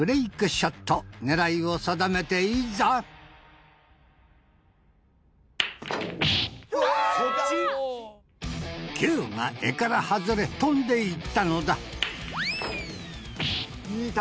ショット狙いを定めていざキューが柄から外れ飛んでいったのだ